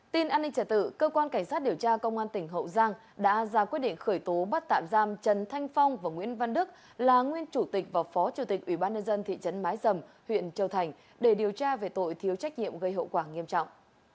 tin an ninh trả tự cơ quan cảnh sát điều tra công an tỉnh hậu giang đã ra quyết định khởi tố bắt tạm giam trần thanh phong và nguyễn văn đức là nguyên chủ tịch và phó chủ tịch ủy ban nhân dân thị trấn mái dầm huyện châu thành để điều tra về tội thiếu trách nhiệm gây hậu quả nghiêm trọng